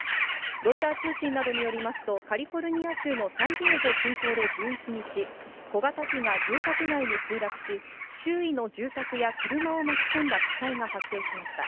ロイター通信などによりますと、カリフォルニア州のサンディエゴ近郊で１１日、小型機が住宅街に墜落し、周囲の住宅や車を巻き込んだ火災が発生しました。